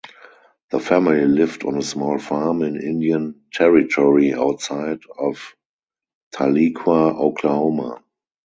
The family lived on a small farm in Indian Territory outside of Tahlequah, Oklahoma.